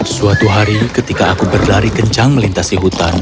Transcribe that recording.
suatu hari ketika aku berlari kencang melintasi hutan